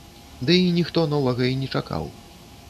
Дый ніхто новага і не чакаў.